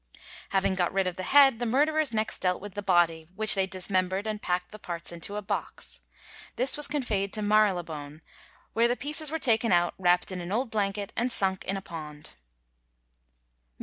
Having got rid of the head, the murderers next dealt with the body, which they dismembered, and packed the parts into a box. This was conveyed to Marylebone, where the pieces were taken out, wrapped in an old blanket, and sunk in a pond.